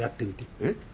えっ？